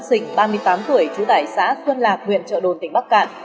sỉnh ba mươi tám tuổi chú tải xã xuân lạc huyện trợ đồn tỉnh bắc cạn